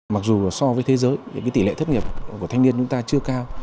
mặc dù so với thế giới tỷ lệ thất nghiệp của thanh niên chúng ta chưa cao